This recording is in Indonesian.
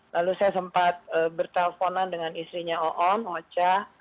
lalu saya sempat bertelponan dengan istrinya oon oca